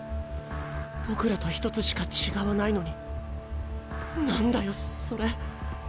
僕らと１つしか違わないのに何だよそれ。